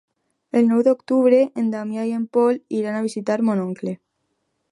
El nou d'octubre en Damià i en Pol iran a visitar mon oncle.